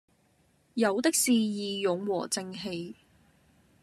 有的是義勇和正氣。